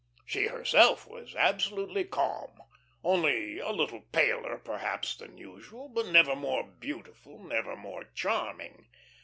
She herself was absolutely calm, only a little paler perhaps than usual; but never more beautiful, never more charming.